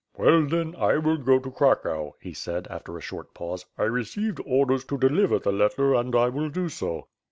"Well, then, I will go to Cracow," he said, after a short pause, "I received orders to deliver the letter and I will do so."